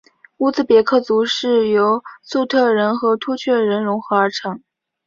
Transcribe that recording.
乌兹别克族是由粟特人和突厥人溶合而成。